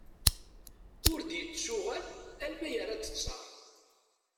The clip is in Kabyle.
Ur d-yettuɣal alma yerra-d ttar